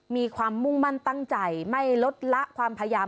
มีความมุ่งมั่นตั้งใจไม่ลดละความพยายาม